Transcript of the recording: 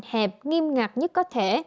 hẹp nghiêm ngặt nhất có thể